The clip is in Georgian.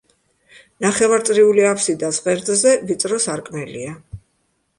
ნახევარწრიული აფსიდას ღერძზე ვიწრო სარკმელია.